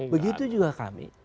begitu juga kami